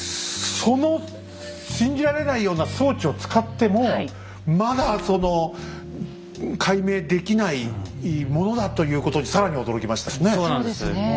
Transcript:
その信じられないような装置を使ってもまだその解明できないものだということに更に驚きましたよね。